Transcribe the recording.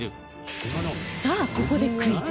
さあここでクイズ